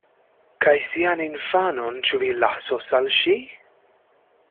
Kaj sian infanon ĉu vi lasos al ŝi?